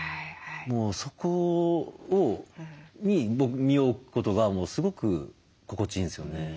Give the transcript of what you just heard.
もうそこに身を置くことがすごく心地いいんですよね。